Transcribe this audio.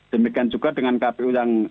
demikian juga dengan kpu yang